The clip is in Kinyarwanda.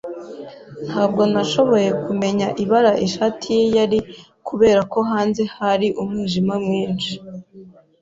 Ntabwo nashoboye kumenya ibara ishati ye yari kubera ko hanze hari umwijima mwinshi.